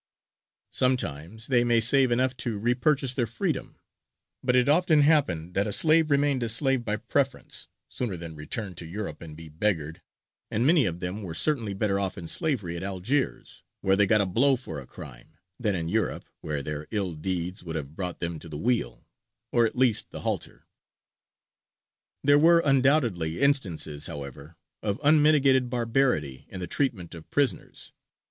Sometimes they may save enough to re purchase their freedom, but it often happened that a slave remained a slave by preference, sooner than return to Europe and be beggared, and many of them were certainly better off in slavery at Algiers, where they got a blow for a crime, than in Europe, where their ill deeds would have brought them to the wheel, or at least the halter. There were undoubtedly instances, however, of unmitigated barbarity in the treatment of prisoners.